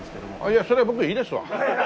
いやそれは僕いいですわ。